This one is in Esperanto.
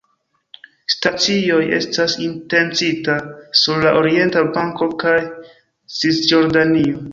Stacioj estas intencita sur la Orienta Banko kaj Cisjordanio.